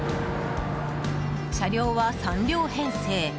車両は３両編成。